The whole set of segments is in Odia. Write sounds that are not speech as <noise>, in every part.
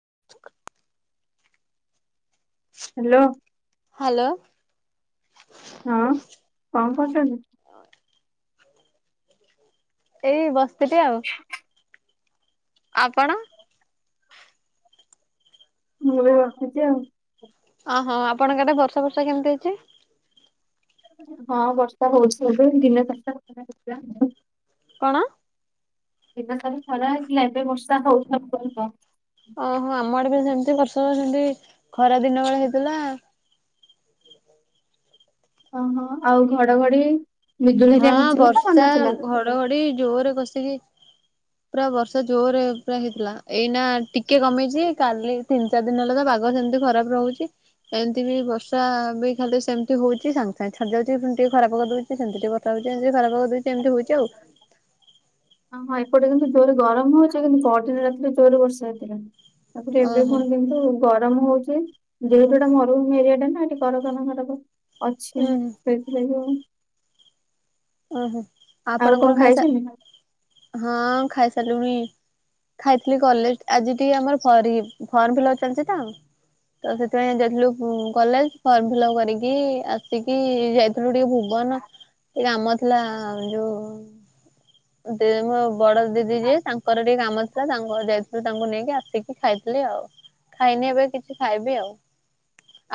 <unintelligible> Hello hello. ହଁ କଣ କରୁଚନ୍ତି? ଏଇ ବସିଥିଲି ଆଉ। ଆପଣ? ମୁଁ ଏବେ ବସିଛି ଆଉ। ଓହୋ ଆପଣଙ୍କ ଆଡେ ବର୍ଷା ଫର୍ଷା କେମତି ଅଛି? ହଁ ବର୍ଷା ହଉଛି ଏବେ ଦିନ ସାରା। କଣ? ଦିନ ସାରା ଖରା ହେଇଥିଲା ଏବେ ବର୍ଷା ହୋଇଛି। ଓହୋ ଆମ ଆଡେ ବି ସେମତି ବର୍ଷ ସେମିତି ଖରା ଦିନ ବେଳେ ହେଇଥିଲା। ଓହୋ ଆଉ ଘଡଘଡି? ବିଜୁଳି ହଁ ହେରିକା ମାରୁଥିଲା ନା ମାରୁ ବର୍ଷା ନଥିଲା? ଘଡଘଡି ଜୋରେ କଷିକି। ପୁରା ବର୍ଷା ଜୋରରେ ପୁରା ହେଇଥିଲା ଏଇନା ଟିକେ କମେଇଛି କାଲି ତିନି ଚାରି ଦିନ ହେଲା ତ ପାଗ ସେମିତି ଖରାପ ରହୁଛି। ଏମିତି ବି ବର୍ଷା ବି ଖାଲି ସେମିତି ହଉଛି ସାଙ୍ଗେ ସାଙ୍ଗେ ଛାଡିଯାଉଛି ଟିକେ ଖରାପ କରିଦଉଛି ସେମତି ଟିକେ ସବୁ ଦିନି ଏମିତି ଖରା ପାଗ ଦଉଚି ଏମିତି ହଉଛି ଆଉ। ଓ ହଁ ଏପଟେ କିନ୍ତୁ ଜୋରେ ଗରମ ହଉଛି କିନ୍ତୁ ପିନ ରାତିରେ ଜୋରରେ ବର୍ଷା ହେଇଥିଲା। ତାପରେ ଏବେ ଓହୋ। କଣ କିନ୍ତୁ ଗରମ ହଉଛି ଯେହତୁଟା ମରୁଭୁମି ଏରିଆ ଟା ନା ନା ଏଠି ଘରଗ ନା ଘରକ ଅଛି ଉୁଁ ହୁଁ ସେଇଥିଲାଗି ଆଉ। ଓହୋ ଆଉ କଣ ଆପଣଙ୍କର ଖାଇସା ଖାଇଛନ୍ତି? ହଁ ଖାଇସାରିଲୁଣି। ଖାଇଥିଲି କଲେଜ ଆଜି ଟିକେ ଆମର ଫର୍ ଫ ଲ ଚାଲିଛି ତ ତ ସେଥିପାଇଁ ଯାଇଥିଲୁ କଲେଜ ଫର୍ମ ଫିଲ୍ପ କରିକି ଆସିକି ଯାଇଥିଲୁ ଟିକେ ଭୁବନ। କୋହୁନ ଏଇ କାମ ଥିଲା ଯୋଉ ମୋ ବଡ ଦିଦି ଯିଏ ତାଙ୍କର ଟିକେ କାମ ଥିଲା ତାଙ୍କ ଯାଇଥିଲୁ ତାଙ୍କୁ ନେଇକି ଆସିକି ଖାଇଥିଲୁ ଆଉ ଖାଇନି ଏବେ କିଛି ଖାଇବି ଆଉ।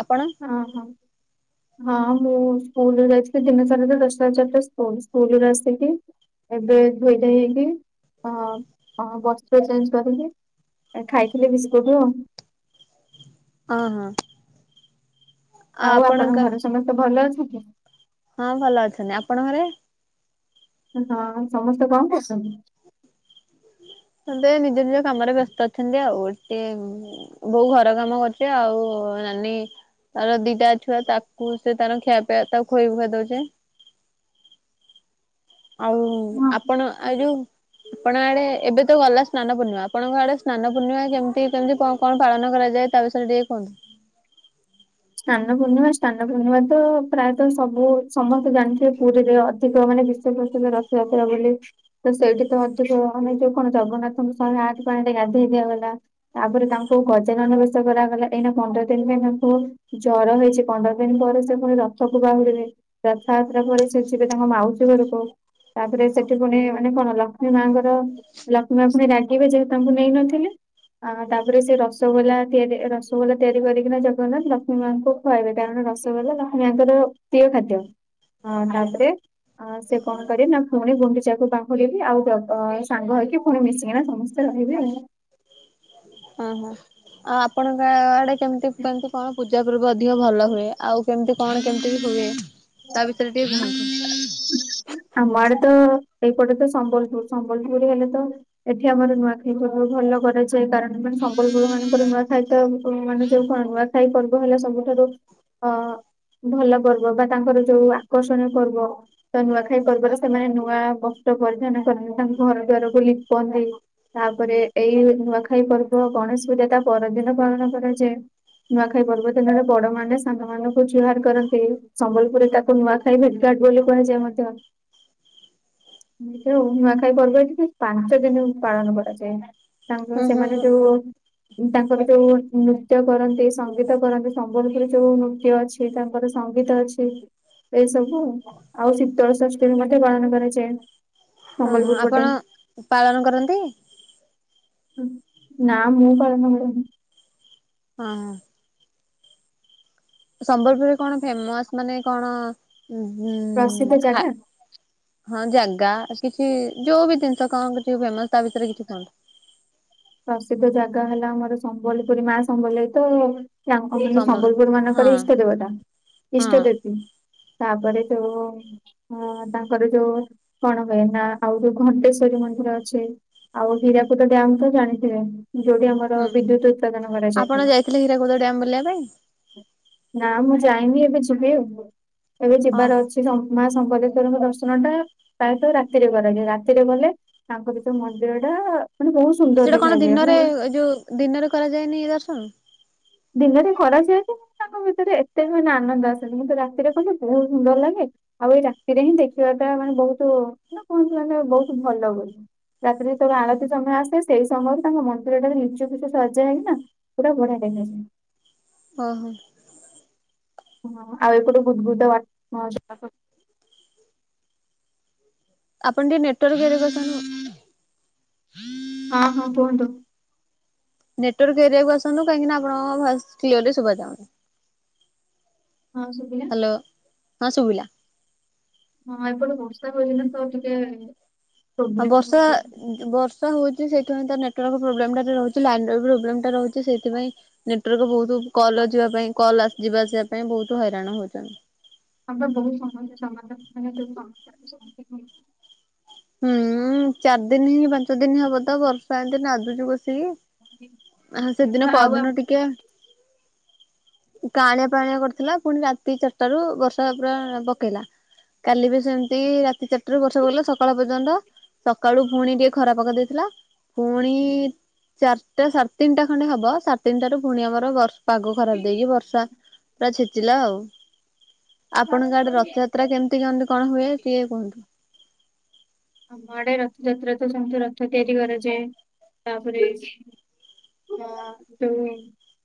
ଆପଣ ଓ ହୋ ହଁ। ମୁଁ ସ୍କୁଲ ଯାଇଛିି ଦିନ ସାରା ତ ଦଶରାଜାରଟା ସ୍କୁଲରୁ ଆସିକି ଏବେ ଧୋଇ ଧୁଆ ହେଇକି ଅ ବସ୍ ଚେଞ୍ଜ କରିକି। ଖାଇଥିଲି ବିସ୍କୁଟ ଆଉ। ଓ ହୋ। ଆଉ ଆପଣଙ୍କ ଘରେ ସମସ୍ତେ ଭଲ ଅଛନ୍ତି? ହଁ ଭଲ ଅଛନ୍ତି ଆପଣଙ୍କ ଘରେ? ହଁ ସମସ୍ତେ କଣ କରୁଛନ୍ତି? ଏବେ ନିଜ ନିଜ କାମରେ ବ୍ୟସ୍ତ ଅଛନ୍ତି ଆଉ ଟିକେ ବୋଉ ଘର କାମ କରୁଛି ଆଉ ନାନୀ ତାର ଦିଟା ଛୁଆ ତାକୁ ସେ ତାର ଖିଆ ପିଆ ତାକୁ ଖୁଆଇ ପିଆଇ ଦଉଛି। <inaudible> ଆଉ ହଁ ଆପଣ ଆ ଯୋଉ ଆପଣ ଆଡେ ଏବେ ତ ଗଲା ସ୍ନାନ ପୂର୍ଣିମା ଆପଣଙ୍କ ଆଡେ ସ୍ନାନ ପୂର୍ଣ୍ଣିମା କେମିତି କେମିତି କଣ କଣ ପାଳନ କରାଯାଏ? ତା ବିଷୟରେ ଟିକେ କୁହନ୍ତୁ। <inaudible> ସ୍ନାନ ପୂର୍ଣ୍ଣିମା ସ୍ନାନ ପୂର୍ଣ୍ଣିମା ତ ପ୍ରାୟତଃ ସବୁ ସମସ୍ତେ ଜାଣିଥିବେ ପୁରୀରେ ଅଧିକ ମାନେ ବିଶେଷ ପ୍ରସିଦ୍ଧ ରଥଯାତ୍ରା ବୋଲି ତ ସେଇଠି ତ ଅଧିକ ମାନେ ଯୋଉ କଣ ଜଗନ୍ନାଥଙ୍କ ଶହେ ଆଠ ପାଣିରେ ଗା ଧେଇ ଦିଆଗଲା ତାପରେ ତାଙ୍କୁ ଗଜାନନ ବେଶ କରାଗଲା ଏଇନା ପନ୍ଦର ଦିନ ପାଇଁ ତାଙ୍କୁ ଜର ହେଇଛି ପନ୍ଦର ଦିନ ପରେ ସେ ପୁଣି ରଥକୁ ବାହୁଡିବେ ରଥଯାତ୍ରା ପରେ ସେ ଯିବେ ତାଙ୍କ ମାଉସୀ ଙ୍କ ଘରକୁ। ତାପରେ ସେଠି ପୁଣି ମାନେ କଣ ଲକ୍ଷ୍ମୀ ମାଙ୍କର ଲକ୍ଷ୍ମୀ ମା ପୁଣି ରାଗିବେ ଯେହେତୁ ତାଙ୍କୁ ନେଇନଥିଲେ ଆ ତାପରେ ସେ ରସଗୋଲା ତିଆରି ରସଗୋଲା ତିଆରି କରିକିନା ଜଗନ୍ନାଥ ଲକ୍ଷ୍ମୀ ମାଙ୍କୁ ଖୁଆଇବେ କାରଣ ରସଗୋଲା ଲକ୍ଷ୍ମୀଆଙ୍କର ପ୍ରିୟ ଖାଦ୍ୟ ତାପରେ ଅ ସେ କଣ କରିବେ ନା ପୁଣି ଗୁଣ୍ଡିଚାକୁ ବାଖୁରିବି ଆଉ ସାଙ୍ଗ ହେଇକି ପୁଣି ମିଶିକି ନା ସମସ୍ତେ ରହିବେ ଆଉ ଓହୋ ଆଉ ଆପଣଙ୍କ ଆଡେ କେମିତି କେମତି କଣ ପୂଜା ପର୍ବ ଅଧିକ ଭଲ ହୁଏ ଆଉ କେମତି କଣ କେମିତି ହୁଏ। ତା ଭିତରେ ଟିକେ ଭଲ <inaudible> ଆମ ଆଡେ ତ ଏଇପଟେ ତ ସମ୍ବଲପୁର ସମ୍ବଲପୁର ହେଲେ ତ ଏଠି ଆମର ନୂଆଖାଇ ପର୍ବ ଭଲ କରାଯାଏ କାରଣ ମାନେ ସମ୍ବଲପୁର ମାନଙ୍କରେ ନୂଆଖାଇ ତ ମାନେ ଯୋଉ କ ନୂଆଖାଇ ପର୍ବ ହେଲା ସବୁଠାରୁ ହଁ ଭଲ ପର୍ବ ବା ତାଙ୍କର ଯୋଉ ଆକର୍ଷଣୀୟ ପର୍ବ ତ ନୂଆଖାଇ ପର୍ବରେ ସେମାନେ ନୂଆ ବସ୍ତ୍ର ପରିଧାନ କରନ୍ତି ତାଙ୍କ ଘର ଦ୍ୱାର କୁ ଲିପନ୍ତି ତାପରେ ଏଇ ନୂଆଖାଇ ପର୍ବ ଗଣେଶ ପୂଜା ତା ପରଦିନ ପାଳନ କରାଯାଏ ନୂଆଖାଇ ପର୍ବ ଦିନରେ ବଡ ମାନେ ସାନ ମାନଙ୍କୁ ଜୁହାର କରନ୍ତି। ସମ୍ବଲପୁରରେ ତାକୁ ନୂଆଖାଇ ଭେଟଘାଟ ବୋଲି କୁହାଯାଏ ମଧ୍ୟ। ଏ ଯ ନୂଆଖାଇ ପର୍ବ ଯଦି ପାଞ୍ଚ ଦିନ ପାଳନ କରାଯାଏ। ତାଙ୍କର ହୁଁ ହୁଁ ସେମାନେ ଯୋଉ ତାଙ୍କର ଯୋଉ ନୃତ୍ୟ କରନ୍ତି ସଙ୍ଗୀତ କରନ୍ତି ସମ୍ବଲପୁର ଯୋଉ ନୃତ୍ୟ ଅଛି ତାଙ୍କର ସଙ୍ଗୀତ ଅଛି ଏ ସବୁ ଆଉ ଶୀତଳ ସଂସ୍କୃତି ମଧ୍ୟ ପାଳନ କରାଯାଏ। ଓହୋ ସମ୍ବଲପୁର ପଟେ। ଆପଣ ପାଳନ କରନ୍ତି। ନାଁ ମୁଁ ପାଳନ କରେନି। ହଁ ହଁ। ସମ୍ବଲପୁରରେ କଣ ଫେମସ? ମାନେ କଣ ଉ ଗୁ ପ୍ରସିଦ୍ଧ ଖା ଜାଗା ହଁ ଜାଗା କିଛି ଯୋଉ ବି ଜିନିଷ କଣ କିଛି ଫେମସ ତା ଭିତରେ କିଛି କୁହନ୍ତ। ପ୍ରସିଦ୍ଧ ଜାଗା ହେଲା ଆମର ସମ୍ବଲପୁରୀ ମା ସମ୍ବଲେଈ ତ ତାଙ୍କ ମାନେ ସମଲ ସମ୍ବଲପୁର ମାନଙ୍କର ହଁ ଇଷ୍ଟ ଦେବତା ହଁ ଇଷ୍ଟ ଦେବୀ। ତାପରେ ଯୋଉ ଅ ତାଙ୍କର ଯୋଉ କଣ କହେ ନା ଆଉଜଉ ଘଣ୍ଟେଶ୍ଵରୀ ମ ମନ୍ଦିର ଅଛି ଆଉ ହୀରାକୁଦ ଡ୍ୟାମ ତ ଜାଣିଥିବେ। ଯୋଉଠି ଆମର ହୁଁ ବିଦ୍ୟୁତ ଉତ୍ପାଦନ ଆପଣ କରାଯାଇଥାଏ। ଯାଇଥିଲେ ହୀରାକୁଦ ଡ୍ୟାମ ବୁଲିବା ପାଇଁ ନା ମୁଁ ଯାଇନି ଏବେ ଯିବି ଆଉ ଏବେ ଯିବାର ଓହୋ। ଅଛି ତ ମା ଶମ୍ପଦେ ଠାକୁରଙ୍କ ଦର୍ଶନ ଟା ପ୍ରାୟତଃ ରାତିରେ କରାଯାଏ ରାତିରେ ଗଲେ ତାଙ୍କର ଯୋଉ ମନ୍ଦିର ଟା ମାନେ ବହୁତ ସୁନ୍ଦର ସେଟା ଦେ କଣ ଦିନରେ ଯୋଉ ଦିନରେ କରାଯାଏନି ଦର୍ଶନ? ଦିନରେ କରାଯାଏ ଯେ ତାଙ୍କ ଭିତରେ ଏତେ ବି ମାନେ ଆନନ୍ଦ ଆସେନି କିନ୍ତୁ ରାତିରେ କଲେ ବହୁତ ସୁନ୍ଦର ଲାଗେ। ଆଉ ଏଇ ରାତିରେ ହିଁ ଦେଖିବାଟା ମାନେ ବହୁତ ନା କୁହନ୍ତିୁ ମାନେ ବହୁତ ଭଲ ବୋଲି। ରାତିରେ ଯେତେବେଳେ ଆଳତି ସମୟ ଆସେ ସେଇ ସମୟରୁ ତାଙ୍କ ମନ୍ଦିରଟା ରେ ନିଚକୁଛ ସଜାହୁଏନା ପୁରା ବଢିଆ ଲାଗେ ହଁ ହଁ। ହ ଆଉ ଏକୁ ବୁଧ ବୁଧ ବା ଆପଣ ଟିକେ ନେଟୱାର୍କରେ ବସନ୍ତୁ। ହଁ ହଁ କୁହନ୍ତୁ। ନେଟୱାର୍କ ଏରିଆକୁ ଆସନ୍ତୁ କାହିଁକି ନା ଆପଣଙ୍କ ଭଏସ କ୍ଲିଅରଲି ଶୁଭା ଯାଉନି। ହଁ ଶୁଭିଲା। ହ୍ୟାଲୋ ହଁ ଶୁଭିଲା। ହଁ ଏପଟ ବର୍ଷା ପା ଏଇନା ନା ତ ଟିକେ ଆଉ ପ୍ରୋବ୍ଲେମ ବର୍ଷା ହଉଛି। ବର୍ଷା ହଉଛି ସେଠି ତା ନେଟୱାର୍କ ପ୍ରୋବ୍ଲେମ ଟା ରହୁଛି ଲାଇନ ପ୍ରୋବ୍ଲେମ ରହୁଛି। ସେଥିପାଇଁ ନେଟୱାର୍କ ବହୁତ କଲ୍ ଯିବା ପାଇଁ କଲ ଯିବା ଆସିବା ପାଇଁ ବହୁତ ହ ଜଣ ହଉଛନ୍ତି। ଆମର ବହୁତ ସମସ ସମାଧାନ ମାନ ସ ସମ ହୁଁ ଚାରି ଦିନ ହିଁ ପାଞ୍ଚ ଦିନ ହବ ତ ବର୍ଷା ଏମତି ନାଦୁଛି କସିକି। ମାନେ ସେଦିନ ଆଉ ପରଦିନ ଟିକେ କାଣିଆ ପାାଣିଆ କରିଥିଲା ପୁଣି ରାତି ଚାରିଟା ରୁ ବର୍ଷା ପୁରା ପକେଇଲା। କାଲି ବି ସେମିତି ରାତି ଚାରିଟାରୁ ବର୍ଷା ପକେଇଲା ସ ସକାଳ ପର୍ଯ୍ୟନ୍ତ ସକାଳୁ ପୁଣି ଟିକେ ଖରା ପକା ଦେଇଥିଲା ପୁଣି ଇ ଚାରିଟା ସାଢ଼େ ତିନିଟା ଖଣ୍ଡେ ହବ ସାଢେ ତିିନିଟାରୁ ପୁଣି ଆମର ବ ପାଗ ଖରାପ ଦେଇକି ଆମ ବର୍ଷା ପୁରା ଛେଚିଲା ଆଉ। ଆପଣଙ୍କ ଆଡେ ରଥଯାତ୍ରା କେମିତି କନ୍ତି କଣ ହୁଏ ଟିକେ କୁହନ୍ତୁ। ଆମ ଆଡେ ରଥଯାତ୍ରା ତ ସବୁ ରଥ ତିଆରି କରାଯାଏ। ତାପରେ ହ ଯୁ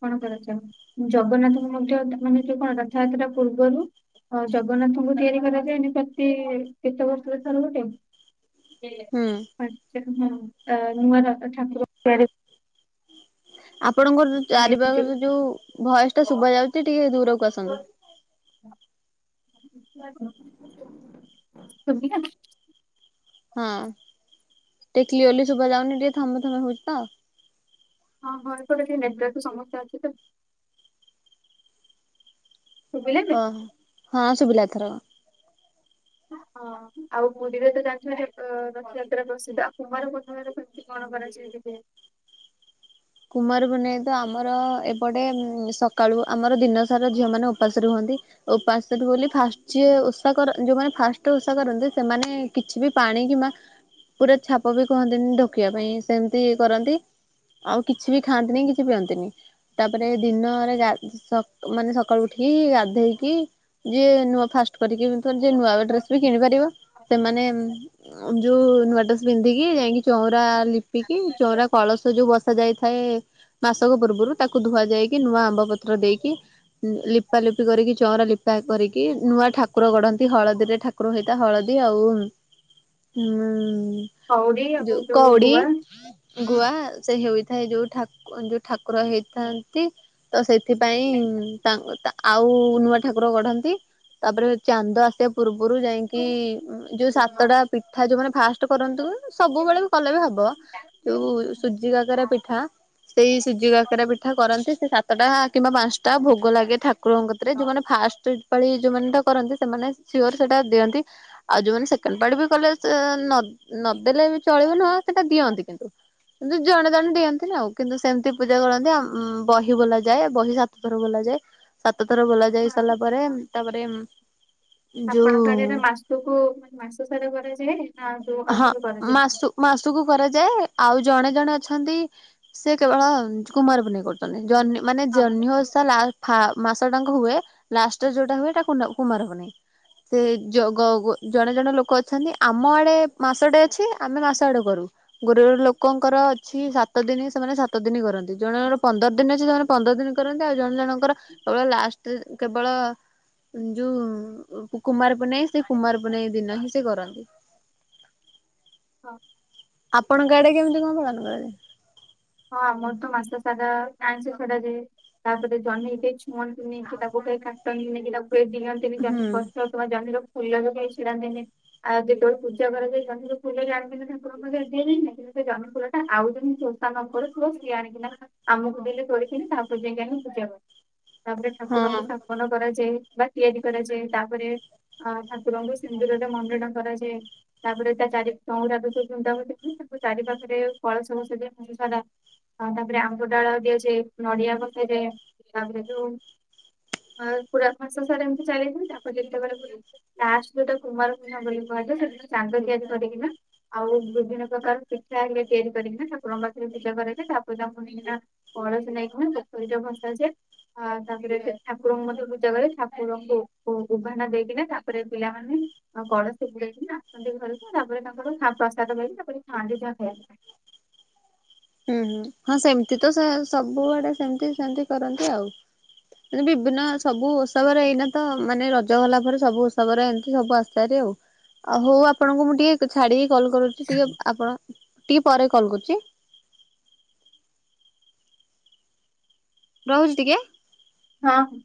କଣ କରାଯାଏ ଜଗନ୍ନାଥଙ୍କ ମଧ୍ୟ ମାନେ ଯୋଉ କଣ ରଥାଯାତ୍ରା ହେରା ପୂର୍ବରୁ ହଁ ଜଗନ୍ନାଥଙ୍କୁ ତିଆରି କରାଯାଏନି ପ୍ରତି କେତେ ବର୍ଷରେ ଥର ଗୋଟେ। ହୁଁ ପଞ୍ଚ ହୁ ଆଛା ହଁ ନୂଆ ଠାକୁର। <unintelligible> ଆପଣଙ୍କର ଯୋଉ ଚାରିପଖରେ ଯୋଉ ଭୟସ ଟା ଶୁଭ ଯାଉଛି ଟିକେ ଦୂର କୁ ଆସନ୍ତୁ। ଶୁଭିଲା? <unintelligible> ହଁ ଟିକେ କ୍ଲିୟରଲି ଶୁଭା ଯାଉନି ଟିକେ ଥଙ୍ଗ ଥଙ୍ଗ ହଉଛି ତ। ହଁ ହଁ ଏପଟେ ନେଟୱର୍କ ସମସ୍ୟା ଅଛି ତ। ଶୁଭିଲା ଏବେ ଓଃ ହଁ ସୁୁବିଲା ଏଥରକ। ହଁ। ହଁ ଆଉ ପୁରୀରେ ତ ଜାଣିଥିବା ରଥଯାତ୍ରା ପ୍ରସିଦ୍ଧ ଆଉ କୁମାର ପୂର୍ଣ୍ଣିମ ର କେମତି କଣ କରାଯାଏ? କେବେ କୁମାର ପୁନେଇ ତ ଆମର ଏପଟେ ସକାଳୁ ଆମର ଦିନ ସାରା ଝିଅ ମାନ ଉପାସରେ ରୁହନ୍ତି ଉପାସ ସେଠୁ ବୋଲି ଫାଷ୍ଟ ଯିଏ ଓଷା କର ଯେଉମାନେ ଫାଷ୍ଟରେ ଓଷା କରନ୍ତି ସେମାନେ କିଛି ବି ପାଣି କିମ୍ବା ପୁରା ଛାପ ବି କୁହନ୍ତିନି ଢୋକିବା ପାଇଁ ସେମିତି କରନ୍ତି। ଆଉ କିଛି ବି ଖାଆନ୍ତିନି କିଛି ପିଅନ୍ତିନି ତାପରେ ଦିନରେ ଗା ମାନେ ସକାଳୁ ଉଠିକି ଗାଧେଇକି ଯିଏ ନୂଆ ପାଷ୍ଟ କରିକି ଯିଏ ନୂଆ ଡ୍ରେସ ବି କିଣି ପାରିବ ସେମାନେ ଯୋଉ ନୂଆ ଡ୍ରେସ ପିନ୍ଧିକି ଯାଇକି ଚଉଁରା ଲିପିକି ଚଉଁରା କଳସ ଯୋଉ ବସ ବସା ଯାଇଥାଏ ମାସକ ପୂର୍ବରୁ ତାକୁ ଧୁଆ ଯାଇକି ନୂଆ ଆମ୍ବ ପତ୍ର ଦେଇକି ଲିପା ଲିପି କରିକି ଚଁର ଲିପା କରିକି ନୂଆ ଠାକୁର ଗଢନ୍ତି ହଳଦୀରେ ଠାକୁର ହେଇଥା ହଳଦୀ ଆଉ ଉ କଉଡି ଯୁ ଆଉ ଯୋଉ କଉଡି। ଗୁଆ ଗୁଆ ସେ ହେଉଥାଏ ଯୋଉ ଠା ଯଉ ଠା କୁର ହେଇଥାନ୍ତି ତ ସେଥିପାଇଁ ତାଙ୍କ ତା ଆଉ ନୂଆ ଠାକୁର ଗଢନ୍ତି ତାପରେ ଚାନ୍ଦ ଆସିବା ପୂର୍ବ ପୂରୁ ଯାଇକି ହଁ। ଯୋଉ ସାତଟା ପିଠା ଯୋଉ ମାନେ ଫାଷ୍ଟ କରନ୍ତୁ ସବୁବେଳେ ବି କଲେ ବି ହବ ଯୋଉ ସୁଜି କାକରା ପିଠା ସେଇ ସୁଜି କାକରା ପିଠା କରନ୍ତି ସେ ସତଟା କିମ୍ବା ପାଞ୍ଚଟା ଭୋଗ ଲାଗେ ଠାକୁରଙ୍କ କତିରେ ଯୋଉମାନେ ଫାଷ୍ଟ ପାଳି ଯୋଉମାନେ ଟା କରନ୍ତି ସେମାନେ ସିଓର ସେଇଟା ଦିଅନ୍ତି, ଆଉ ଯୋଉମାନେ ସେକେଣ୍ଡ ପାଳି ବି କଲେ ନ ନଦେଲେ ଏବେ ଚଳିବ ନୁହଁ ସେଟା ଦିଅନ୍ତି କିନ୍ତୁ କିନ୍ତୁ ଜଣେ ଜଣେ ଦିଅନ୍ତି। ନ୍ତିନି ଆଉ କିନ୍ତୁ ସେମିତି ପୂଜା କରନ୍ତି ବହି ବଲା ଯାଏ ବହି ସାତ ଥର ବଲାଯାଏ। ସତ ଥର ବୋଲା ଯାଇ ସାରିଲା ପରେ ତାପରେ ଆପଣଙ୍କ ଯୋଉ ଆଡେ ନା ମାସକୁ ମାନେ ମାସ ସାର କରାଯାଏ? ନା ଯୋଉ ହଁ ଅଧାରୁ କରାଯାଏ? ମାସୁ ମାସୁକୁ କରାଯାଏ। ଆଉ ଜଣେ ଜଣେ ଅଛନ୍ତି ସେ କେବଳ କୁମାର ପୁନେଇ କ ଜହ୍ନି ମାନେ ଜହ୍ନି ଓଷା ଲାସ ପାସ ମାସ ଟାଙ୍କ ହୁଏ ଲାଷ୍ଟରେ ଯୋଉଟା ହୁଏା ହେଇଟା କୁନା କୁମାର ପୁନେଇ। ସେ ଜ ଗ ଜଣେ ଜଣେ ଲୋକ ଅଛନ୍ତି ଆମ ଆଡେ ମାସଟେ ଅଛି ଆମେ ମାସ ଆଡେ କରୁ। ଗୋଟେ ଗୋଟେ ଲୋକଙ୍କର ଅଛି ସାତ ଦିନ ସେମାନେ ସାତ ଦି ଦିନ କରନ୍ତି ଜଣେ ଜଣର ପନ୍ଦର ଦିନ ଅଛି ସେମାନେ ପନ୍ଦର ଦିନ କରନ୍ତି ଆଉ ଜଣେ ଜଣଙ୍କର କେବଳ ଲାଷ୍ଟ କେବଳ ଯୁ କୁମାର ମାନେ ସେ ହଁ। କୁମାର ପୁନେଇ ଦିନ ହିଁ ସେ କରନ୍ତି। ହଁ। ଆପଣଙ୍କ ଆଡ଼େ କେମିତି କଣ ପାଳନ କରା ଯାଏ? ହଁ ଆମର ତ ମାସ ସାରା ଆଇଁଷ ଛଡ଼ା ଯାଏ। ତାପରେ ଜହ୍ନୀ କି ଛୁଅନ୍ତିନି କି ତାକୁ କେହି କାଟନ୍ତିନି କି ତାକ୍ କେହି ଦିହାନ୍ତିନି ଜହ୍ନି ହୁଁ। ପତ୍ର କିବା ଜହ୍ନିର ଫୁଲ ବି କେହି ଛିଡ଼ାନ୍ତିନି ଆଉ ଯେତେବେଳେ ପୂଜା କରାଯାଇ ଜହ୍ନିର ଫୁଲ ଜଣେ <unintelligible> ସେ ଜହ୍ନି ଫୁଲଟା ଆଉ ଜଣେ ସୋସ୍ ତାନ ଉପରେ ଥିବ ସିଏ ଆଣିକିନା ଆମକୁ ଦେଲେ ତୋଳିିକିରି ତାପରେ ଯାଇକି ଆମେ ପୂଜା କରୁ। ତାପରେ ଠାକୁରଙ୍କୁ ହଁ। ସ୍ଥାପନ କରାଯାଏ। ବା ତିଆରି କରାଯାଏ। ତାପରେ ଅ ଠାକୁରଙ୍କୁ ସିନ୍ଦୁରରେ ମଣ୍ଡଣ କରାଯାଏ। ତାପରେ ତା ଚାରି ଚଉଁରା <unintelligible> ବୃନ୍ଦାବତୀ ଥିବେ ତାକୁ ଚାରି ପାଖରେ କଳସ ବସା ଯାଏ ମାସ ସାରା। ଆଉ ତାପରେ ଆମ୍ବଡାଳ ଦିଆଯାଏ। ନଡ଼ିଆ ବସାଯାଏ। ତାପରେ ଯୋଉ ଆ ପୁରା ମାସ ସାର ଏମିତି ଚାଲିଥାଏ ତାପରେ ଯେତେବେଳେ ପୁରେ ଲାଷ୍ଟ୍ ଗୋଟେ କୁମାର ପୂର୍ଣ୍ଣିମା ବୋଲି କ କୁହାଯାଏ ସେଦିନ ଚାନ୍ଦ ତିଆରି କରିକିନା ଆଉ ବିଭିନ୍ନ ପ୍ରକାର ପିଠା ଇଡ୍ ଲି ତିଆରି କରିକିନା ତା ରମ୍ବା କେମ୍ ତି ପୁଜା କରାଯାଏ ତାପରେ ତାକୁ ନେଇକିନା କଳସି ନେଇକି ପୋଖରୀରେ ଭସାଯାଏ। ଆ ତା ରେଥେ ଠାକୁରଙ୍କୁ ମଧ୍ୟ ପୂଜା କରି ଠାକୁରଙ୍କୁ ଉ-ଉଭାନ ଦେଇକିନା ତାପରେ ପିଲାମାନେ ଆଉ କ କଳସୀ ବୁଡ଼େଇକିନା ଆସନ୍ତି ଘରକୁ ତାପରେ ତାଙ୍କଡ଼ ଖା ପ୍ରସାଦ ପାଇକି ତାପରେ ଖାଆନ୍ତି ଯା ଖାଇବା କଥା। ହୁଁ ହୁଁ ହଁ ସେମିତି ତ ସେ ସବୁଆଡ଼େ ସେମ୍ ତି ସେମ୍ ତି କରନ୍ତି ଆଉ। ମାନେ ବିବିନ୍ନ ସବୁ ଓଷା ବାର ଏଇନା ତ ମାନେ ରଜ ଗଲା ପରେ ସବୁ ଓସା ବାର ଏମ୍ ତି ସବୁ ଆସେ ହାରି ଆଉ। ଆଉ ହୋଉ ଆପଣଙ୍କୁ ମୁଁ ଟିକେ ଛାଡ଼ି କଲ୍ କରୁଛି ଟିକେ ଆପଣ ଟିକେ ପରେ କଲ୍ କରୁଚି। ରହୁଚି ଟିକେ? ହଁ ହୁଁ।